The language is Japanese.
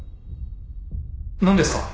何ですか？